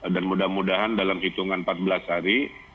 dan mudah mudahan dalam hitungan empat belas hari